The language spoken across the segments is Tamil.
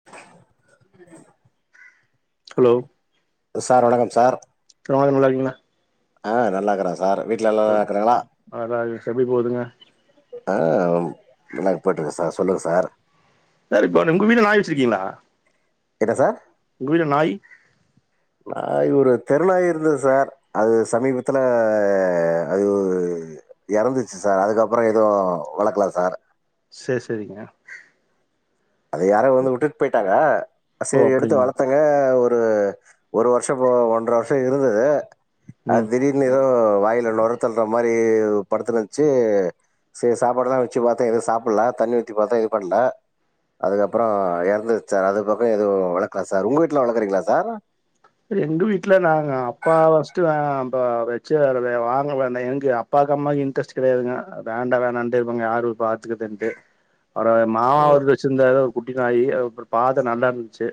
ம் ஹலோ சார் அழகன் சார் தாரு நல்லார்க்கீங்ளா அ நல்லாக்கறா சார் வீட் தொட் அ நா இஷ்டப்படி போதுங்க அ அம் எல்லா போட்ருக்கே சார் சொல்லுங்க சார் சார் இப்ப நு உங்க வீட்ல நாய் வச்ருக்கீங்ளா என்ன சார் உங் வீட நாய் நாய் ஒரு தெரு நாய் இருந்தது சார் அது சமீபத்துல அது ஒ இறந்துச்சு சார் அதுக்கப்பற எதுவு வளக்கல சார் செர் செரிங்க அத யாரோ வந்து விட்டுட்டு போய்ட்டாங்க ஓ செரி எடுத்து அப்டிங்களா வளர்த்த இங்க ஒரு ஒரு வருஷ ஒன்ற வருஷ இருந்துது அது ம் திடீ ர்னு வாயில நுரை தள்ளுற மாரி படுத்துனுச்சு செரி சாப்பாடுலா வச்சு பாத்த எது சாப்டல தண்ணி ஊத்தி பாத்த இது பண்ல அதுக்கப்பற இறந்துச்சு சார் அதுகப்பற எதுவு வளக்கல சார் உங்க வீட்ல வளக்குறீங்ளா சார் எங்க வீட்ல நாங்க அப்பா ஃபர்ஸ்ட்டு ப வச்சு வாங்கலனா எங்க அப்பாக்கு அம்மாக்கு இன்ட்ரெஸ்ட் கெடையாதுங்க வேண்டா வேணாண்டு இவங்க யாரு பாத்துக்குறதுன்ட்டு அப்ற எ மாமா ஓ ஒருத்தரு வச்சிருந்தாரு ஒரு குட்டி நாய் அப்ற பாத்த நல்லாருந்ச்சு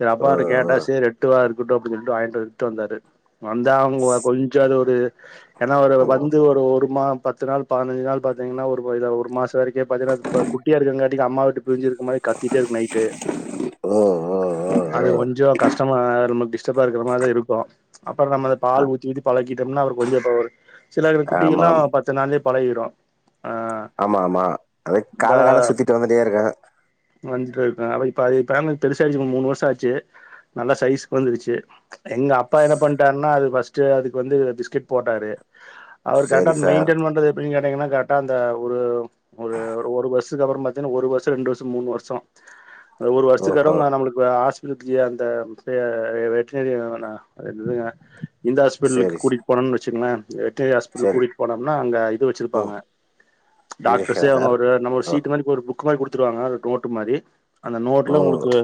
செரிஅப்பா ஓ கிட்ட கேட்ட சேரி எடுத்துட்டு வா இருக்கட்டு அப்டின் சொல்லிட்டு வாங்கிட்டு எடுத்ட்டு வந்தாரு வந்தா அவனுங்கல கொஞ்சோ அது ஒரு ஏன்னா ஒரு ஓ ஓ வந்து ஒரு ஒரு மா பத்து நாள் பதினஞ்சு நாள் பாத்தீங்கனா ஒரு ஒரு மாச வரைக்கு அப்டியே பாத்தீங்கனா குட்டியா இருக்கங்காட்டிக்கு அம்மாவ விட்டு பிரிஞ்சிருக்க மாரி கத்திட்டே இருக்கு நைட்டு ஒ ஒ அது கொஞ்சோ கஷ்டமா நமக்கு டிஸ்டர்பா இருக்கிற மாரி இருக்கு அப்ற நம்ம அத பால் ஊத்தி ஊத்தி பழக்கிட்டம்னா அவரு கொஞ்சோ இப்ப அவரு சில ஆமாம் குட்டிகள்லா ஆமாம் பத்து நாள்லயே பழகிடு அ ஆமா ஆமா அது கால கால சுத்திட்டு வந்துட்டே இருக்கு வந்துட்டு இருக்கு அது இப்ப பேமிலி பெருசா ஆச்சு மூணு வருஷ ஆச்சு நல்ல சைஸ்க்கு வந்துடுச்சு எங்க அப்பா என்ன பண்ணிட்டாருன்னா அது ஃபர்ஸ்ட்டு அதுக்கு வந்து பிஸ்கட் போட்டாரு அவர் கரெக்ட்டா சரி சார் மெயின்டன் பண்றது எப்படின் கேட்டீங்கனா கரெக்டா அந்த ஒரு ஒரு ஒரு வஸ் து அப்ற பாத்தன்னா ஒரு வருஷ ரெண்டு வருஷ மூணு வருஷ ஒரு ஓஹோ வருஷத்துக்கு நம்மளுக்கு ஆஸ்ப்டல்க்கு அது த ப வெட்டனரி இவனா விட்ருங்க இந்த ஹாஸ்பிட்டலுக்கு சரி ச- கூட்டிட்டு போனோன் வச்சுங்ளே வெட்னரி ஹாஸ்பிடலுக்கு சரி கூட்டிட்டு போனம்னா அங்க இது வச்சிருப்பாங்க ம் டாக்டர்ஸ்ஸே இன்ஜெக்ஷனா அவங்க சார் ஒரு நம்ம ஒரு ஓ சீட்டு மாரி ஒரு பு புக்கு மாரி குடுத்துருவாங்க நோட்டு மாரி அந்த ஓ நோட்ல உங்களுக்கு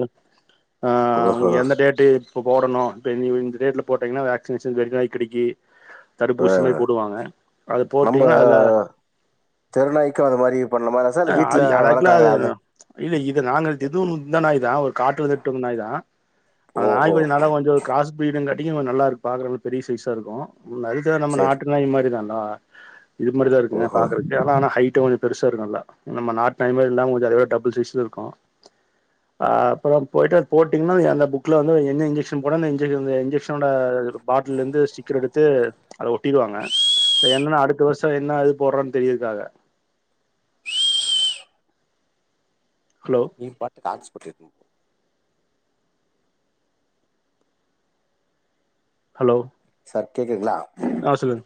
ஆ ஓஹோ உங் டேட்டு இப்ப போடன்னு இப்ப இந்த டேட்ல போட்டீங்கனா வாக்சினேஷன் வெறி நாய் கடிக்கி ஆ. தடுப்பூசி மாரி போடுவாங்க அத போட்டீங்கனா அதுல தெருநாய்க்கு அந்த மாரி பண்ணுமா சார் அ இல்ல வீட்ல அது ஆக்சுவலா அது வளக்கறாங்களே அத இல்ல இது நாங்க இதுவு இந்த நாய்தா ஒரு காட்டுல இருந்து எட்டுவந்த நாய்தா அந்த ஓஹோ நாய்கொஞ்சோ நல்லா கொஞ்சோ கிராஸ் பிரீடுங் காட்டியு கொஞ்சோ நல்லா பாக்குறக்கு பெரிய சைஸா இருக்கு நரித்தர நம்ம சரி நாட்டு நாய்மாரி தான் டா இது மாரி தா இருக்குங்க ஓஹோ பாக்குறதுக்கு கேரளா ஆனை ஹைட்டு கொஞ்சோ பெருசா இருக்குல்லா நம்ம நாட்டு நாய் மாரி இல்லாம கொஞ்சோ அத விட டபூள் சைஸ்ல இருக்கு அ அப்ற போய்ட்டார் போட் இனிமேல் அந்த புக்ல இருந்து என்ன இஞ்ஜக்க்ஷன் போடன்னு இஞ்ஜக்க்ஷன் இஞ்ஜக்ஷனோட பாட்டலருந்து ஸ்டிக்கர் எடுத் து அத ஒட்டிருவாங்க என்னனா அடுத்த வருஷ என்னா இது போட்றன் தெரியர்துக்காக ஹலோ நீ பாத்துக்கு ஹாட் ஸ்பாட்டு [unintelligible] ஹலோ சார் கேக்குதுங்ளா ஆ சொல்லுங்க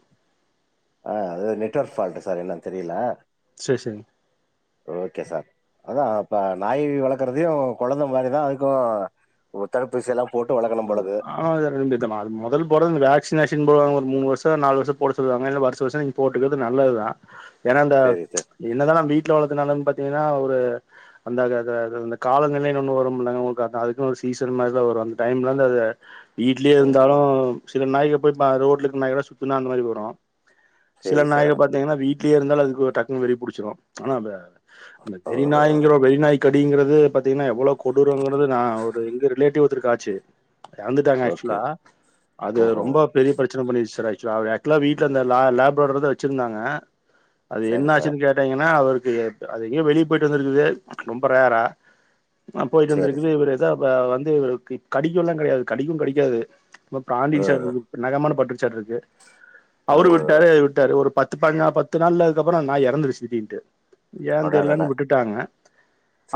ஆ அது நெட்ஒர்க் ஃபால்ட் சார் என்னன் தெரில செர் செரிங்க ஓகே சார் அதா அப்ப நாய் வளர்க்கறதையு கொழந்த மாரிதா அதுக்கு ஒரு தடுப்பூசில்லா‌ போட்டு வளக்கனும் போலக்கு ஆ இதில் ரெண்டு இதுமா மொதல் பொறந்து வேக்ஷீனேஷன் போடுவாங்க ஒரு மூனு வருஷ நாலு வருஷ போட சொல்லுவாங்க இல்ல வருஷ வருஷ நீங்க போட்டுக்கறது நல்லதுதா ஏன்னா இந்த சரி சார் என்னதா நா வீட்ல வளத்துனாலு பாத்தீங்கன்னா ஒரு வந்த க இது இந்த காலநிலைன்னு ஒன்னு வரும் இல்லங்க உங்களுக்கு அதா அதுக்குன் ஒரு சீசன் மாரிதா வரு டைம்லருந்து அதுவீட்லியே ம் இருந்தாலு சில நாய்க போய் ப்பா ரோட்ல இருக்கற நாய்கூட சுத்னா அந்த மாரி வரு சில சரி நாய்க சார் பாத் திங்கன்னா வீட்லியே இருந்தாலு அதுக்க ஒரு டக்குன்னு வெறி புடிச்சிடு ஆனா வெ இந்த ஓஹோ வெறிநாய்ங்கிற வெறி நாய்க் கடிங்கிறது பாத்தீங்கன்னா எவ்வளோ கொடுருங்கிறது நா ஒரு எங்க ரிலேட்டிவ் ஒருத்தருக்கு ஆச்சு எறந்துட்டாங்க ஓகே ஆக்சுவலா அது ம்ஹும் ரொம்பப் பெரிய பிரச்சன பண்ணிச்சி சார் ஆக்சுவலா வீட்ல அந்த லேப்ரோடத வச்சிருந்தாங்க அது சரி என்ன சார் ஆச்சுன்னு கேட்டீங்கன்னா அவருக்கு அது எங்கயோ வெளியே போயிட்டு வந்திருக்குது ரொம்ப ரேரா ஆ சரி போயிட்டுருந்திருக்குது சார் இவரு எதோ ப வந்து இவர் கடிக்கல்லா கெடையாது கடிக்கவு கடிக்காது சும்மா ம் பிரான்டிடுச்சாருக்கு நகமான பட்டுட்ச்சாருக்கு அவரு ம் விட்டாரு விட்டாரு ஒரு பத் பத்து பாஞ்சிநாள் பத்து நாள்ல அதுக்கப்புற அந்த நாய் எறந்துருச்சு திடீர்ன்ட்டு ஏன்னு அடடட தெர்லன்னு விட்டுட்டாங்க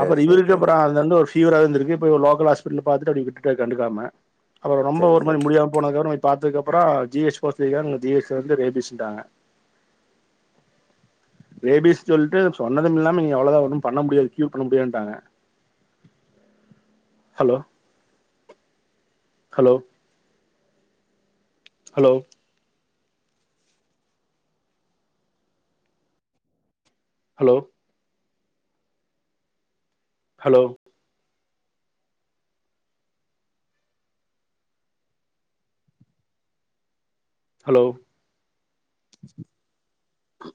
அப்புற சரி இவருக்கு சரி அப்புற தொடர்ந்து ஒரு ஃபீவரா இருந்துருக்கு போய் ஒரு லோக்கல் ஆஸ்பிடல்ல பாத்துட்டு அப்டியே விட்டுட்டாரு கண்டுக்காம அப்பறோ ரொம்ப சரி சரி ஒருமாரி முடியாம் போனதுகப்பறோ போய் பாத்ததுக்கு அப்புற ஜி எச் போ சொல்லிருக்காங்க அங்க ஜி எச்ல வந்து ரேபிஸ்ன்ட்டாங்க [inaudible] ரேபிஸ் சொல்ட்டு சொன்னதுமில்லாம இனி அவ்ளதா ஒன்னும் பண்ண முடியாது கியூர் பண்ண முடியாதுன்டாங்க hello hello hello hello hello hello